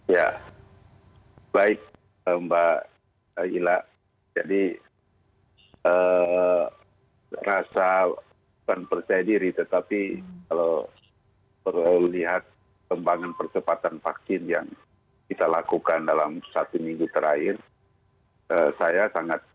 ya baik mbak gila jadi rasa bukan percaya diri tetapi kalau perlu lihat pembelajaran